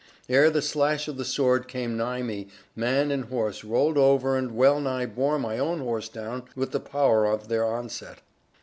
Ere the slash of the sword came nigh me, man and horse rolled over and well nigh bore my own horse down with the power of their onset.